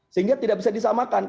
sehingga tidak bisa disamakan